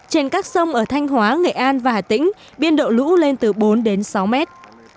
trên các sông ở thanh hóa nghệ an và hà tĩnh biên độ lũ lên từ bốn đến sáu mét